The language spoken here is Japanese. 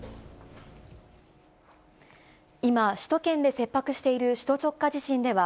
今、首都圏で切迫している首都直下地震では、